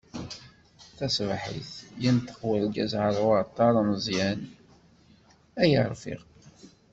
Tasebḥit, yenṭeq urgaz γer uεeṭṭar ameẓyan: Ay arfiq.